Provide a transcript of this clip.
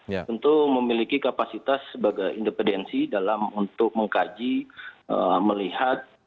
tentu memiliki kapasitas sebagai independensi dalam untuk mengkaji melihat